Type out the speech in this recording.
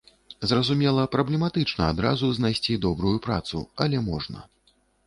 Зразумела, праблематычна адразу знайсці добрую працу, але можна.